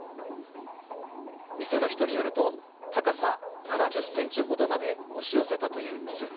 店の人によると高さ７０センチほどまで押し寄せたという水。